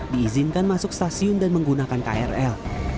diizinkan masuk stasiun dan menggunakan krl